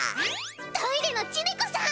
トイレのジュネ子さん！